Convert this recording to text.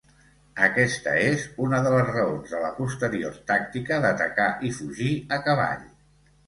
Aquesta és una de les raons de la posterior tàctica d'atacar i fugir a cavall.